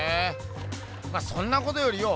まそんなことよりよ